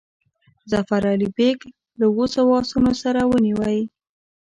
ظفر علي بیګ له اوو سوو آسونو سره ونیوی.